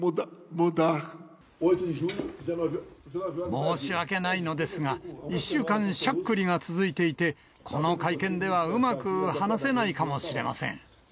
申し訳ないのですが、１週間しゃっくりが続いていて、この会見ではうまく話せないかもしれません。